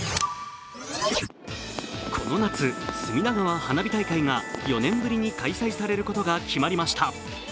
この夏、隅田川花火大会が４年ぶりに開催されることが決まりました。